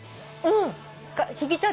うん。